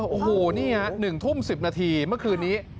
โอ้โหนี่ฮะ๑ทุ่ม๑๐นาทีเมื่อคืนนี้